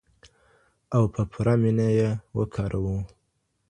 او په پوره مینه یې وکاروو.